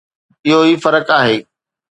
اهو ئي فرق آهي.